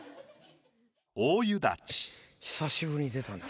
久しぶりに出たな。